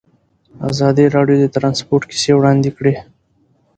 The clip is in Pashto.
ازادي راډیو د ترانسپورټ کیسې وړاندې کړي.